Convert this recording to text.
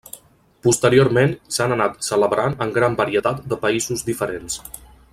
Posteriorment s'han anat celebrant en gran varietat de països diferents.